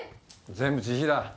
全部自費だ。